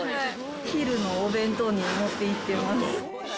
お昼のお弁当に持っていってます。